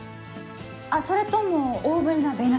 あっそれとも大ぶりな米ナス？